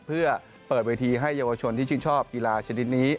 เพื่อเปิดเวทีให้เยาวชนที่ชื่นชอบกีฬาชนิดนี้